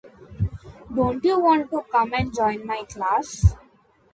Don't you want to come and join my class?